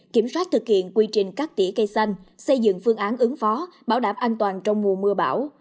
kiểm soát thực hiện quy trình cắt tỉa cây xanh xây dựng phương án ứng phó bảo đảm an toàn trong mùa mưa bão